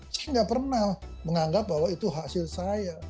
saya nggak pernah menganggap bahwa itu hasil saya